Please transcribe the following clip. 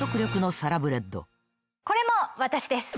これも私です！